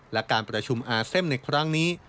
และการประชุมอาเซมในครั้งนี้